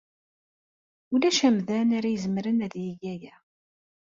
Ulac amdan ara izemren ad yeg aya.